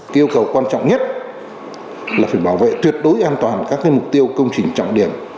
yêu cầu quan trọng nhất là phải bảo vệ tuyệt đối an toàn các mục tiêu công trình trọng điểm